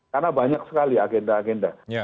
karena banyak sekali agenda agenda